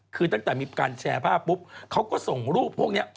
คือตั้งแต่มีการแชร์ภาพปุ๊บเขาก็ส่งรูปพวกนี้